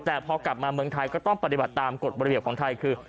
แต่พอกลับมาเมืองไทยก็ต้องปฏิบัติตามกฎระเบียบของไทยคือ